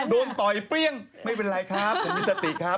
โดนต่อไอ้เปรี้ยงไม่เป็นไรครับก็คงคงไม่ใช่